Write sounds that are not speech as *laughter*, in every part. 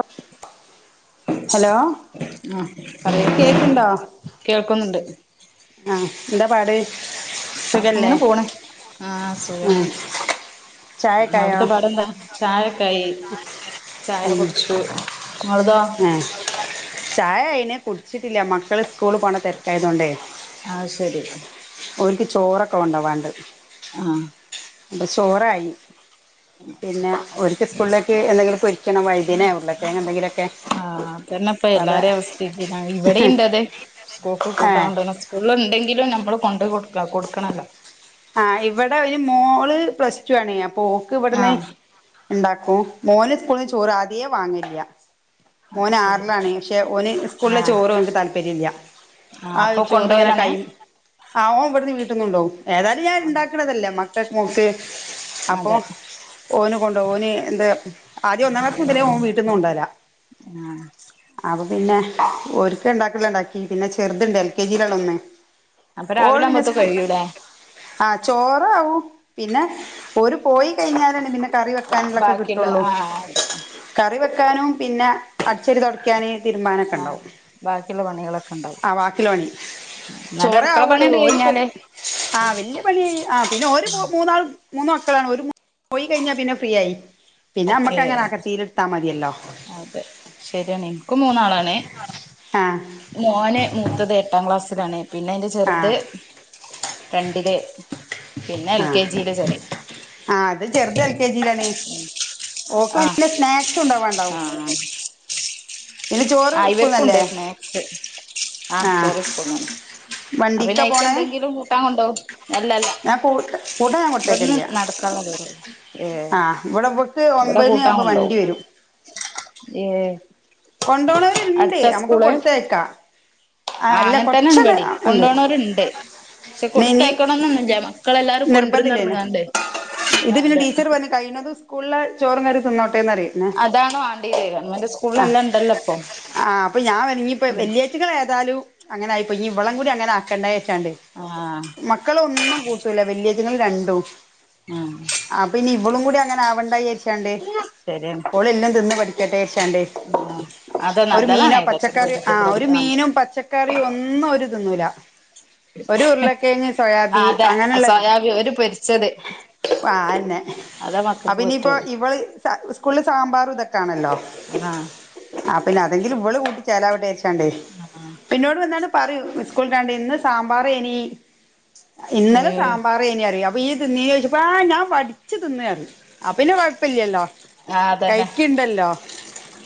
Up..... hello.... ആഹ് അതെ കേക്ക്ണ്ടോ കേൾക്കുന്നുണ്ട് ആഹ് എന്താ പാട്.. സുഖല്ലേ അങ്ങനെ പോണ് ആഹ് സുഖാണ്. ആഹ് അവിടുത്തെ പാടെന്താ. ചായൊക്കായി ചായ ഉം കുടിച്ചു ഇങ്ങളതോ ആഹ് ചായയായിണ് കുടിച്ചിട്ടില്ല മക്കള് സ്കൂള് പോണ തെരക്കായ്തോണ്ട് ആഹ് ശരി ഓര്ക്ക് ചോറൊക്കെ കൊണ്ടാ വാണ്ടത് ആഹ് ചോറായി പിന്നെ ഒരിക്ക് സ്കൂളിലേക്ക് എന്തെങ്കിലും പൊരിക്കണം വൈദ്യനേ ഉരുളക്കിഴങ്ങെ എന്തെങ്കിലൊക്കെ അതാ ഇവിടെ ഇണ്ട് അതെ സ്കൂക്കും കൂട്ടാ ഏഹ് കൊണ്ടണം സ്കൂള് ഉണ്ടെങ്കിലും നമ്മള് കൊണ്ടെയ് കൊട് കൊടുക്കണല്ലോ ആഹ് ഇവിടെ ഒരു മോള് പ്ലസ് ടു ആണ് അപ്പ ഓക്ക് ഇവട്ന്ന് ആഹ് ഉണ്ടാക്കും മോന് സ്കൂളിൽന്ന് ചോറ് ആദ്യേ വാങ്ങില്ലൃ അത് മോന് ശരി ആറിലാണ് ക്ഷെ ഓന് സ്കൂളിലെ ആഹ് ചോറ് ഓൻക്ക് താല്പര്യ ഇല്ലൃ ആഹ് ആ അപ്പൊ ഒര് ചോറ് ഇങ്ങനെ കൈ, കൊണ്ടോവലാണേ ആ ഓൻ ഇവിട്ന്ന് വീട്ട്ന്ന് കൊണ്ടോവും ഏതാലും ഞാൻ ഇണ്ടാക്കണതല്ലേ മക്കക് മോക്ക് അപ്പൊ. അതെ ഓന് കൊണ്ടേവും ഓന് എന്താ ആദ്യം ഒന്നാം ക്ലാസ്സ് മുതലേ ഓൻ വീട്ട്ന്ന് കൊണ്ടോലാ ആഹ് അപ്പൊ പിന്നെ ഒര്ക്ക് ഇണ്ടാക്ക്ള്ളത് ഇണ്ടാക്കി പിന്നെ ചെറുതുണ്ട് എൽ കെ ജി ലാ ഒന്ന് അപ്പൊ ഓൾ രാവിലെ പിന്നെ ആവുമ്പോത്തെ സ്കൂൾ കഴിയൂലേ ആഹ് ചോറ് ആവും പിന്നെ ഓര് പോയി കഴിഞ്ഞാലാണ് പിന്നെ കറി വെക്കാനുള്ളൊക്കെ ബാക്കിയുള്ള കിട്ടുള്ളൂ ആഹ് അതെ കറി വെക്കാനും പിന്നെ അടിച്ചേരി തുടയ്ക്കാന് തിരുമ്പാനെക്കെ ആഹ് ഇണ്ടാവും ബാക്കിയുള്ള പണികളൊക്കെ ഉണ്ടാവും ആ വാക്കിള്ള പണി എന്നാലും ചോറെ അടുക്കള ആവുള്ളൂ പണിയണ്ട് ഒര് പോ കഴിഞ്ഞാല് ആഹ് വല്ലൃ പണി ആ പിന്നെ ഓര് പ് മൂന്നാൾ മൂന്ന് മക്കളാണ് ഓര് പോയി കഴിഞ്ഞാൽ പിന്നെ ഫ്രീ ആയി പിന്നെ നമ്മക്ക് അങ്ങനെ ഏഹ് അകത്തീലെടുത്താ മതിയല്ലോ അതെ ശരിയാണ് ഇൻക്കും മൂന്നാളാണ് ആ മോന് മൂത്തത് എട്ടാം ക്ലാസിൽ ത്തിലാണ് പിന്നെ അതിന്റെ ആ ചെറുത് രണ്ടില് പിന്നെ എൽ ആഹ് കെ ജിയില് ചെറുത് ആഹ് അത് ചെറുത് എൽ കെ ജിലാണ് ആഹ് ആഹ് പിന്നെ ചോറ് ആ ഇവർക്കൂണ്ട് സ്കൂൾന്നല്ലേ സ്നാക്സ് ആ ആഹ് ചോർ സ്കൂൾന്ന് അയ് പിന്നെ വണ്ടിക്കാ പോണേ ആയിക്കേന്ത ങ്കിലും കൂട്ടാ കൊണ്ടോകും അല്ലല്ല ഞാൻ കൂ കൂട്ടാൻ ഞാൻ ഇബ്ട്ന്ന് കൊടുത്തേക്കില്ല നടക്ക ഏഹ് ആ ഇവിടെ ഇവക്ക് ഇബടെ ഒമ്പതിന് കൂട്ടാ ആകുമ്പോ വണ്ടി കൊണ്ടോകും വരും ഏഹ് കൊണ്ടോണോരി ണ്ട് അടുത്താ അമ്മക് സ്കൂള് കൊടുത്തയേക്കാം ആഹ് അങ്ങനെ തന്നെണ്ബടിം കൊണ്ടുനോര്ണ്ട് പക്ഷെ ഇനി കൊടുത്തയക്കണം ന്നില്ല മക്കളെല്ലാരും നിർബന്ധമില്ലേനെ കൊണ്ടുരുന്നറഞ്ഞികാണ്ട് ഇത് പിന്നെ ടീച്ചർ പറഞ്ഞി കഴിണതും സ്കൂളിലെ ചോറും കറീം തിന്ന അതണോ ആണ്ടിരേഖ ഇമ്മന്റെ സ്കൂ അഹ് ആഹ് ആഹ് അപ്പൊ ഞാൻ *unintelligible* വല്ല്യറ്റിങ്ങൾ ഏഹ് താലും അങ്ങനെ ആയി പ്പോയി ഇഞ്ഞി ഇവളെകൂടി അങ്ങനെ ആക്കണ്ടേ വി ആഹ് മക്കളോന്നും കൂട്ടൂല വല്ലയ്റ്റങ്ങൾ രണ്ടും ആഹ് ആ പിന്നെ ഇവളും കൂടി അങ്ങനെ ആവണ്ടാച്ചി ശരിയാണ് *unintelligible* ഓളെല്ലം തിന്ന് പടിക്കട്ടെച്ചാണ്ട് ആഹ് അതെ ഒരു മീനോ നല്ലതാണ് പച്ചക്കറി ആ ഒരു വെജിറ്റബിളൊക്കെ ആഹ് മീനും പച്ചക്കറി ഒന്നു ഒരു തിന്നൂല ഒരു ഉരുളക്കെയങ് ആഹ് സോയാബി അതെ അങ്ങനെള്ളെ സോയാബി ഒരു പൊരിച്ചത് ആ അതന്നെ. അതേ അപ്പൊ മക്കക്ക് ഇനിപ്പോ പറ്റുള്ളൂ ഇവള് സ്കൂളിൽ സാമ്പാറുതൊക്കേണല്ലോ *inaudible* ആ പിന്നെ അതെങ്കിലും ഇവള് കൂട്ടി ചേലാവ- ട്ടെവിചാരിച്ചാണ്ടെയ് ആഹ് പിന്നൊട് വന്നാലും പറയും സ്കൂൾട്ടാണ്ടയ് ഇന്ന് സാമ്പാറേനി, ഇന്നലെ ഏഹ് സാമ്പാറയ്നി പറയും ഇയ്യ് തിന്നീനോ ചോയ്ച്ചപ്പോ ആ ഞാൻ വടിച്ച് തിന്ന് പറിം അപ്പിന്നെ കൊഴപ്പില്ലല്ലോ കഴിക്കിണ്ടല്ലോ.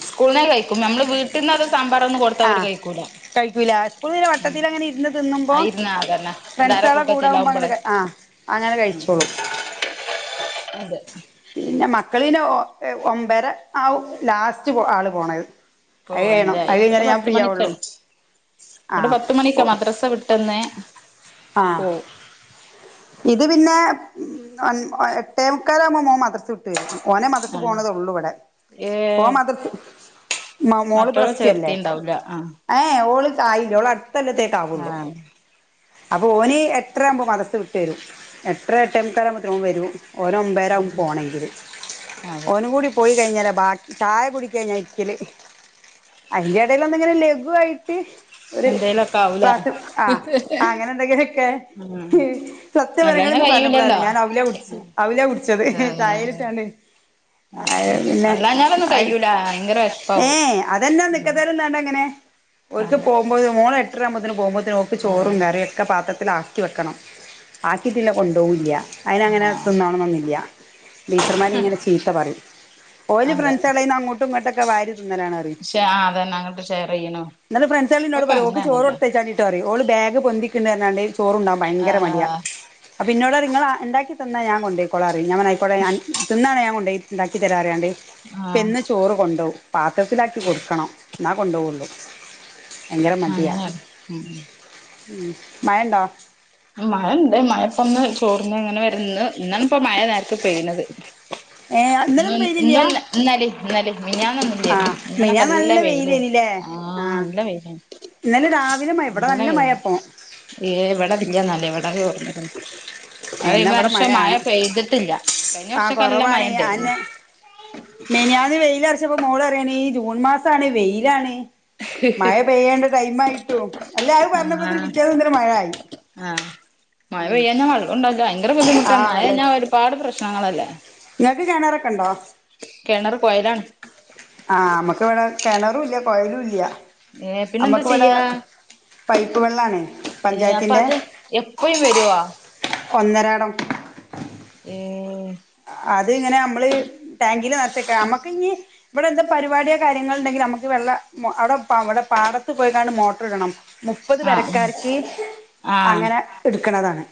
സ്കൂള്ന്നൊക്കെ കഴിക്കും. നമ്മൾവീട്ടിന്നദ് സാമ്പാറൊന്നും കൊടുത്താ ആ അവര് കഴിക്കൂല. കഴിക്കൂല. സ്കൂൾല് ഉം വട്ടത്തിൽ അങ്ങനെ ഇര്ന്ന് തിന്നുമ്പോ, ആയിരുന്നാ അതന്നെ എല്ലാര ഫ്രണ്ട്സാളെ കൂടാകുമ്പോ അങ്ങനെ കൂട്ടത്തിലാവുമ്പളെ കഴി ആ അങ്ങനെ കഴിച്ചോളും. അതെ പിന്നെ മക്കളിന് ഒ എ ഒമ്പര ആവും ലാസ്റ്റ് പോ ആള് പോണത് അത് കയ്യണം, പോവാനിതായി അത് കഴിഞ്ഞാലേ ഞാൻ ഫ്രീ ആവുള്ളു. ഇവടെ പത്ത് മണിക്കാ മദ്രസ വിട്ടന്ന് ആ പോവും ഇത് പിന്നെ ഒൻ എട്ടേ മുക്കാലകുമ്പോ മോൻ മദ്‌ർസ് വിട്ട് വരും. ഓനെ മദർസെ ആ പോണതുള്ളു ഇവിടെ. ഏ പോ മദർസി മ മോള് മറ്റോളെ പ്ലസ് ടു അല്ലേ ചേർത്തിണ്ടാവൂല ആ എ എ ഓള് ആ ഇവള് ആ അടുത്തൊല്ലത്തേക്കാവുള്ളൂ. അപ്പൊ ഓന് എട്ടറാവുമ്പോ തരും. എട്ടര എട്ടേ മുക്കാലകുംബത്തിന് ഓൻ വരും ഓനൊമ്പേരാകും പോണെങ്കില്. അതെ ഓനുംകൂടി പോയി കഴിഞ്ഞാല ബാക് ചായ കുടിക്ക ഞാൻ ഇരിക്കല്, അതിന്റെ എടെല് ഒന്നിങ്ങനെ ലഘുആയിട്ട് ഒരു എന്തേലൊക്കെ ആവൂലേ ക്ലാസിൽ അ അങ്ങനെ എന്തെങ്കിലൊക്കെ ഉം ഹ് സത്യം പറയ അല്ലാഞ്ഞാ ഇങ്ങളിന്ന് പറഞ്ഞപ്പളാ കയ്യൂലല്ലോ ഞാൻ ഔല കുടിച് ഔല കുടിച്ചത് ചായേലിട്ടാണ്ട് അത് പിന്നെ അല്ലാഞ്ഞാലൊന്നും അത് കയ്യൂല ഭയങ്കര ഏ വെഷ്പാവും അതെന്നാ നിക്കതലിന്നാൺട് ങ്ങനെ ഓൽക്ക്‌ അതെ പോകുമ്പോ മോളെ എട്ടരാകുമ്പോത്തിന് പോകുമ്പത്തിന് ഓക്ക്‌ ആ ചോറും കറിം ഒക്കെ പാത്രത്തിലാ ആക്കി വെക്കണം. ആക്കിയിട്ടില്ലെ കൊണ്ടോകൂല്ല. ആ അയിനങ്ങനെ തിന്നോണെന്നൊന്നുല്ല ടീച്ചർമാരിങ്ങനെ ചീത്ത പറിം. ഓല് ഫ്രണ്ട്സാളേന്ന് അങ്ങോട്ടും ഇങ്ങോട്ടൊക് ശേ അ അതന്നെ അങ്ങോട്ട് ഷെയർ ചെയ്യണു ഇന്നൾ ഫ്രണ്ട്സാളിന്നോട് പറിം ഓക്ക്‌ ചോറൊട്- ത്തയ്ച്ഛാൺടിട്ടോ ഓള് ബാഗ് ഗ് പൊന്തിക്ക്ണ്ണ്ട് പർഞാണ്ട് ചോറോണ്ടോവാൻ ഭയങ്കര മടിയാ ആഹ് അപ്പൊന്നോട് റിയും ങ്ങള് ആ ഇണ്ടാക്കി തന്നാ ഞാൻ കൊണ്ടോയിക്കോളാറിയും ഞൻ പറയും ആയ്കോട്ടെ ഞാൻ തിന്നാണെ ഞാൻ കൊണ്ടോയ് ഉണ്ടാക്കി തരാറിയാണ്ടേ ആഹ് ഇപ്പെന്നും ചോറ് കൊണ്ടവും പാത്രത്തിലാക്കി കൊടുക്കണം ന്നാ. കൊണ്ടോവുള്ളൂ കൊ അങ്ങനെ ഉം ഉം മഴണ്ടോ ഉം മഴ ണ്ട് മഴപ്പം ന്ന് ചോർന്ന് ങ്ങനെ വരന്ന് ഇന്നാണ് ഇപ്പ മഴ നേര്ക്ക് പെയ്യണത് ഏഹ് ഇന്നും ഇന്നലൊന്നും പെയ്തില്ല ന്നും ന്നലിം ആഹ് മെനഞാന്നൊന്നില്ലാഞ്ഞി മെനഞന്നൊക്കെ മിനിയാന്ന് നല്ല വെയില്യ്നി വെയിലേനില്ലേ ആ ആഹ് നല്ല വെയിലെയ്നി ഇന്നലെ രാവിലെ മഴ ഇവിടെ നല്ല മഴ പ്പോ. ഏ ഇവിടെ വല്യ *unintelligible* ഏഹ് അത് ഈ ഇന്നാ ഇവിടെ വർഷം മഴ മഴയാണ് പെയ്തിട്ടില്ല കഴിഞ്ഞ ആഹ് വർഷക്കെ നല്ല കൊറവാണ് മഴണ്ടാര്ന്ന്. അയെന്നെ മെനിയാന്ന് വെയിൽ അർച്ചപ്പോ മോള് പറിയാണ് ഈ ജൂൺ മാസാണ് വെയിലാണ്. മഴ പെയ്യേണ്ട ടൈം ആയിട്ടും അല്ല അത് പറഞ്ഞപ്പോ പിറ്റേ ദിവസം മുതൽ മഴായി ആ മഴ പെയ്യാഞ്ഞ മഴ കൊണ്ടാ *unintelligible* ഭയങ്കര ബുദ്ധിമുട്ടാണ് ആഹ് മഴ വെള്ളം കഴിഞാൽ ഒരുപാട് പ്രശ്നങ്ങളല്ലേ ഇങ്ങക്ക് കിണറൊക്കെ ഉണ്ടോ കെണറ് കൊയലാ ആ മ്മക്ക് വിടെ കെണറും ല്ല കൊയലും ല്ല ഏ പിന്നെന്താ ചെയ്യാ പൈപ്പ് വെള്ളാണ് ഏ അപ്പൊ പഞ്ചായത്തിന്റെ അത് എപ്പഴും വരോ ഒന്നരാടം ഏ അത് ങ്ങനെ മ്മള് ടാങ്കില് നറ്ചെക്ക മ്മക്ക് ഇനി ഇവിടെ എന്താ പരിപാടിയോ കാര്യങ്ങൾ ഉണ്ടെങ്കിൽ നമക്ക് വെള്ള അവിടെ അവിടെ പാടത്ത് പോയിക്കാണ്ട് മോട്ടർ ഇടണം മുപ്പത് ആ പെരക്കാർക്ക് ആ അങ്ങനെ എട്ക്കണതാണ്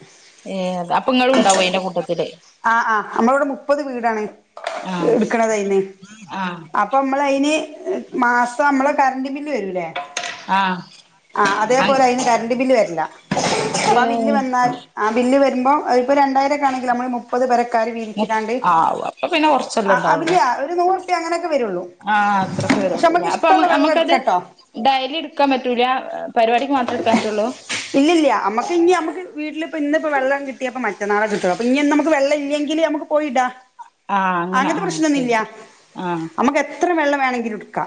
ഏ അപ്പങ്ങളും ഉണ്ടാവും അയ്‌ന്റെ കൂട്ടത്തില് നമ്മള് ഇവിടെ മുപ്പത് വീടാണ് ആ എടുക്കണതയ്ന്ന് ആ അപ്പൊ മ്മള് അയ്ന് മാസം മ്മളെ കറണ്ട് ബില്ല് വരൂല്ലേ ആ ആ അങ് അതേപോലെ അയ്ന് കരണ്ട് ബില്ല് വര്ലാ പ്പ ഏ ആ ബില്ല് വന്നാൽ ആ ബില്ല് വര്മ്പോ അപ്പോ രണ്ടായിരക്കാണെങ്കിൽ നമ്മള് മുപ്പത് പെര ക്കാര് പിരിച്ചിങ്ങാണ്ട് ആ അപ്പൊ പിന്നെ ആ കൊറച്ചല്ലേ ഉണ്ടാവുള്ളു അതല്യ ഒരു നൂറുപ്യ അങ്ങനെക്കെ വെരുള്ളൂ ആ അത്രൊക്കെ പക്ഷെ നമ്മക്ക് ഇഷ്ടള്ള വെള്ള എട്‌ക്കട്ടോ ഡെയ്ലിട്ക്കാൻ പറ്റൂല പരിപാടിക്ക് മാത്രം എടുക്കാൻ പറ്റുള്ളൂ ഇല്ലല്ല അമ്മക്ക് ഇനി അമ്മക്ക് വീട്ടിലിപ്പോ ന്ന്പ്പൊ വെള്ള കിട്ടിയപ്പൊ മറ്റന്നാളെ കിട്ട അപ്പ ഇനി നുക്ക് വെള്ള ഇല്ലെങ്കില് നമുക്ക് പോയി ഇട ആ അങ്ങനെ അങ്ങനത്തെ ആ പ്രശ്നൊന്നു ശരി ല്ല ആ നമ്മക്ക് എത്ര വെള്ളം വേണെകിലും എട്ക്ക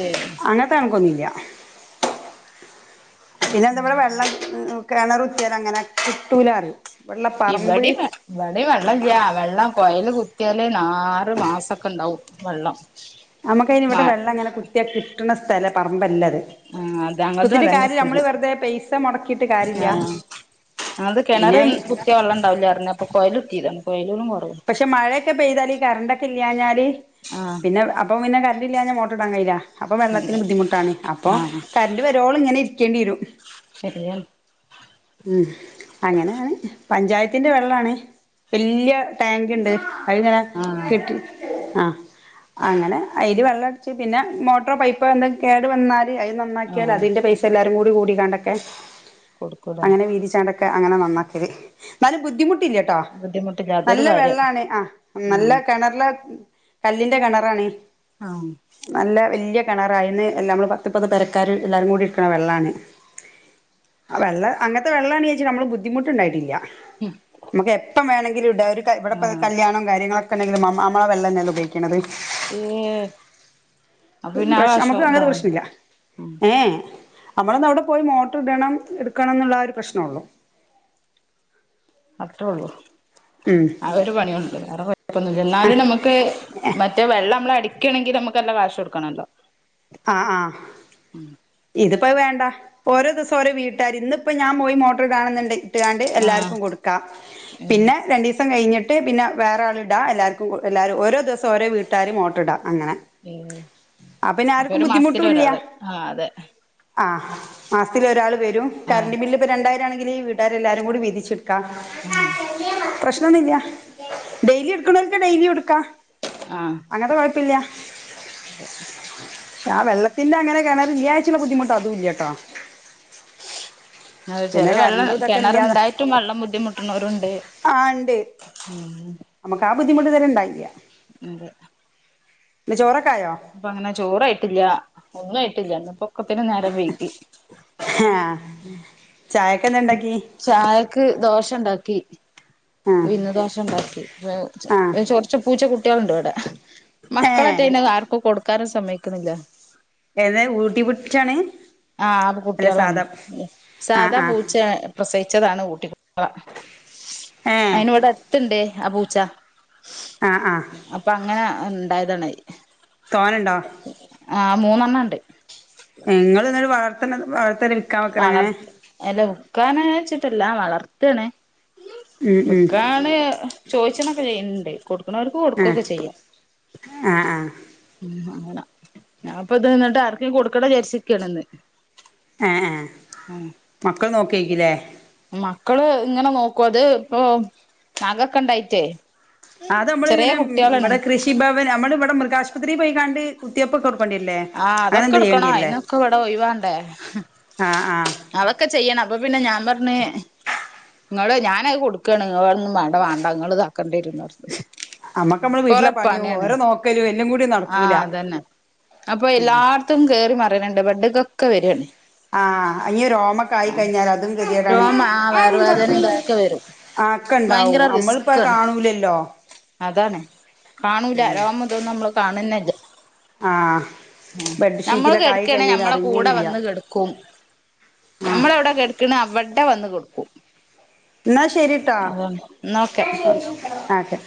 ഏ അങ്ങനത്തെ കണക്കൊന്നുല്ല പിന്നെ എന്തവടെ വെള്ളം കിണറുത്തിയാല് അങ്ങനെ കിട്ടൂലറിയും ഇവടിം ഇവടിം വെള്ളല്ലാ വെള്ളം കൊയല് കു കുത്യാലേ ന ആറ് മാസക്കെ ണ്ടാവും വെള്ളം നമുക്കയ്ന് ഇവിടെ മ വെള്ളം ഇങ്ങനെ കുത്തിയാ കിട്ട്ണ സ്ഥല പറമ്പല്ല ആഹ് അത് ഞങ്ങൾതും കുത്തിട്ട് അതന്നെ കാര്യല്ല നമ്മള് സ്ഥിതി വെറുതെ പൈസ മുടക്കിട്ട് കാര്യല്ല അത് കെണറ് കുത്തിയ വെള്ളം ഉണ്ടാവില്ലർഞ്ഞപ്പൊ കൊയലു ത്തില പക്ഷെ മഴയൊക്കെ പെയ്താല് ഈ കറണ്ട് ഒക്കെ ഇല്ലഞ്ഞാല് ആ പിന്നെ അപ്പം പിന്നെ കറണ്ട് ഇല്ലാഞാ മോട്ട്ർ ഇടാൻ കഴിയില്ല അപ്പൊ വെള്ളത്തിന് ബുദ്ധിമുട്ടാണ് അപ്പൊ ആഹ് കറണ്ട് വരുവോള് ഇങ്ങനെ ഇര് ക്കേണ്ടിവരും ശരിയാണ് ഉം അങ്ങനെയാണ് പഞ്ചായത്തിന്റെ വെള്ളാണ് വല്യ ടാൻക്ണ്ട് *unintelligible* ആഹ് കിട്ടി ആ അങ്ങനെ അയ്ല് വെള്ള അടിച്ച് പിന്നെ മോട്ടറോ പൈപ്പോ എന്തോ കേടു വന്നാൽ അ നന്നാക്കിയാൽ ആഹ് അതിന്റെ പൈസ എല്ലാരും കൂടി കൂടി ക്കാണ്ടൊക്കെ കൊടുക്കൂലേ അങ്ങനെ വീതി ചാൻണ്ട് ഒക്കെ. ക്കെ അങ്ങനെ നന്നാക്കല്. ന്നാലും ബുദ്ധിമു ബുദ്ധിമുട്ടില്ലാതെ നല്ല വെള്ളാണ് ആ. നല്ല കെണറിലെ കല്ലിന്റെ കെണറാണ്. ആഹ് നല്ല വല്യ കെണറാ അയിന്ന് എല്ലാം നമ്മള് പത്ത്മുപ്പത് പെരക്കാര് എല്ലാരും കൂടി ഇട്ക്ക്ണ വെള്ളാണ്. ആ വെള്ള, അങ്ങനത്തെ വെള്ളണെച്ച് നമ്മള് ബുദ്ധിമുട്ട്ണ്ടായിട്ടില്ല. മ്മക്ക് എപ്പം വേണമെങ്കിലും ഇടാ. ഒരു ക ഇവിടെപ്പൊ ആഹ് കല്യാണവും കാര്യങ്ങളൊക്കെ കണെങ്കിലും നമ്മ നമ്മളാ വെളളം തന്നെ ഉപയോഗിക്ക ഏ പ്രശ് നമ്മ്ക്ക് അങ്ങനത്തെ പ്രശ്നില്ല ഉം ഏ ഏ നമ്മളൊന്നവ്ടെ പോയി മോട്ടർ ഇടം, ഇട്ക്കണംന്ന്ള്ള ആ ഒരു പ്രശ്നൊള്ളു. അത്രുള്ളു. ആ ഒരു പണിയൊളളു വേറെ കൊഴ്പൊന്നൂല്ല, എന്നാലും നമുക്ക് മറ്റേ വെള്ളം നമ്മള അടി നക്കണെങ്ക നമുക്ക് നല്ലാം കാശ കൊടുക്കണല്ലോ ആ ആ ഇത്പ്പോയി വേണ്ട ഓരോ ദിവസം രോ വീട്ടുകാര് ഇപ്പോൊ ഞാൻ പോയി മോട്ടോർ കാണുന്നുണ്ട് ഇട്ടാണ്ട് ആഹ് എല്ലാവർക്കും കൊടുക്കാം ഏഹ് പിന്നെ രണ്ടിവസ അസം കഴിഞ്ഞിട്ട് പിന്നെേറെൾ ഇടാം എല്ലാവർക്കും എല്ലാവും ഓരോ ദിവം ഓരോ വീട്ടുകാരും ഓട്ടിടാം അപ്പൊ ആർക്കും ഒരു മാസത്തില ഒരാള് ആഹ അതെ ആ മാസത്തിൽ ഒരാൾ വരും ആ കറണ്ട് ബില് ഇപ്പൾ രണ്ടായിരം ആണെങ്കിൽ ഈ വീട്ടുകർെല്ലാരും കൂടി വ വിതിിച്ചിട്ടും ആ പ്രശ്നൊന്നുമില്ല ഡെയിലി എടുക്കണക്ക ഡെലി എടുക്കാ ആ അങ്ങനത്തെ കുഴപ്പില്ല പ ആ വെള്ളത്തിന്റെ അങ്ങനെ കാണ വിിയാഴ്ചുള്ള ബുദ്ധിമുട്ട് അത ഇല്ലട്ടോ അ ചെറ പിന്നെ വെള്ളം കറണ്ടും ഇതൊക്കെ ഇല്ലാതെ കിണർണ്ടായിട്ടും വെള്ളം ബുദ്ധിമുട്ടുന്നവരുണ്ട് ആ ആഹ ബുദ്ധിമട്ട് ത ഉണ്ടായില്ല അതെ പിന്നെ ചോറൊക്കെ ആയോ അപ്പൊ അങ്ങനെ ചോറായിട്ടില്ല ഒന്നും പൊക്കെ പിന്നെ നേരെ വെയി ആഹ ചായ ചായക്ക് ദോഷം ഉണ്ടാക്കി ആഹ് പിന്ന് ദോശം ഉണ്ടാക്കി ആഹ് ചറച്ച് പൂച്ച കുുട്ടികളുണ്ട്ോ ഇവിടെ ഏഹ് മക്കളക്കെ ആർക്കും കൊടുക്കാറ് സമ്മയക്കുന്നില്ല ഏതാ ഊട്ടി പിടിച്ചാണ് ആഹ ആ കുട്ടികളാണ് ആഹ് സാധാ ആഹ് പൂച്ച പ്രസയിിച്ചതാണ് ഊട്ടട്ടികള ഉ *unintelligible* അയിന് ഇവിടെ അത്തണ്ടേ ആ പൂച്ച ആഹ് ആഹ് അപ്പൊ അങ്ങനെ ഉണ്ടായതാണ് തോന്നുണ്ടോ ആഹ് മൂന്നെണ്ണം ഉണ്ട് നിങ്ങ ഇന്നരു വളർത്തണ വിൽക്കാൻ വെക്കണ അങ്ങനെ വളർത്ത അല്ല വക്കാന വെച്ചിട്ടല്ല വളർത്തണ് ഉം ഉം വക്കാണ് ചോദിച്ചണൊക്കെ ചെയ്യണ്ട് കൊടുക്കണ അവർക്ക് ആ കൊടുക്കൊക്കെ ചെയ്യാം ആ ആ ഉ അന ഞാൻ ഇപ്പ ഇത് നിന്നിട്ട് ആർക്കും കൊടുക്കണം വിചരിച്ചിിക്കണന്ന് ആഹ ആഹ മക്കൾ നോക്കിയക്കില്ലേ മക്കള് ഇങ്ങനെ നോക്കും അത് ഇപ്പൊ നകൊക്കെ ഉണ്ടായിറ്റേ അത് നമ്മള് ഇങ്ങനെ ഇവിടെ കൃഷിഭവൻ നമ്മൾ ഇവിടെ മൃഗാശുപത്രിയിൽ പോയികാണ്ട് കുത്തിയപ്പ കൊ ആഹ് അതൊക്കെ എടുക്കണോ ഇന്നൊക്കെ ഇവിടെ ഒയ്വാണ്ടേ ആ ആ അതൊക്കെ ചെയ്യണം അപ്പൊ പിന്നെ ഞാൻ പറഞ്ഞേ നിങ്ങള് ഞാാനത് കൊടുക്കയാണ് നിങ്ങളൊന്നും വേണ്ട വേണ്ട നിങ്ങ ഇതാക്കണ്ടിരുന്ന നമ്മക്ക് നമ്മള് വീട്ടിലെ പണിയ ഓരോ നോക്കലും എല്ലും കൂടി നടക്കൂല ആഹ് അതന്നെ അപ്പൊ എല്ലാർത്തും കേറി മറയണണ്ട് ബഡക്കൊക്കെ വരുാണ്േ ആ ഇനി ഓമക്കയി കഴിഞ്ഞാൽ അതും കെതിയട്ടാണ് ആ വയറുവേദന ഇതൊക്കെ വരും ആക്കെ ഭയങ്കര ഇണ്ടാവും നമ്മളിപ്പോ റിസ്ക് ആണ് കാണൂലല്ലോ അതാണ് കാണൂല അ മുതൊന്നും നമ്മള് കാണുന്നല്ല ആഹ നഞമ്മള് കെടക്കണെ ഞമ്മളെ കൂടെ കൂടില്ല വന്ന് കെടക്കും ആ നഞമ്മള എവിടെ കെടുക്കണ അവിടെ വന്ന് കൊടുക്കും എന്നാ ശരിട്ടാ എന്നാ ഓക്കെ ആതെ